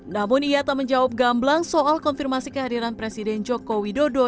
namun ia tak menjawab gamblang soal konfirmasi kehadiran presiden jokowi dodo